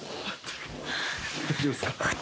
大丈夫っすか？